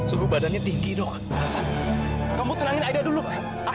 aku di sini aida